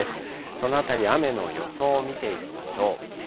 そのあたり、雨の予想を見ていきましょう。